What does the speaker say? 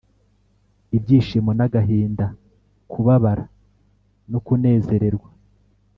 ibyishimo n’agahinda, kubabara no kunezererwa